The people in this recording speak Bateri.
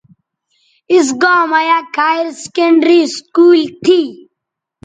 اِس گاں مہ یک ہائیر سیکنڈری سکول تھی